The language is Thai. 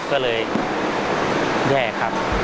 ก็เลยแย่ครับ